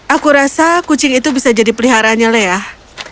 aku rasa kucing itu bisa jadi peliharanya leah